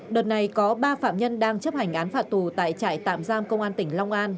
đợt này có ba phạm nhân đang chấp hành án phạt tù tại trại tạm giam công an tỉnh long an